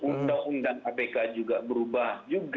undang undang apk juga berubah